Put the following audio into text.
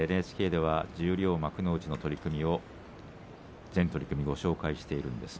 ＮＨＫでは十両、幕内の全取組をご紹介しています。